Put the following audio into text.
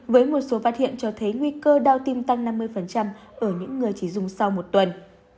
với một số phát hiện cho thấy nguy cơ đau tim tăng năm mươi ở những người chỉ dùng sau một tuần